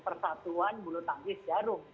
persatuan bulu tangkis jarum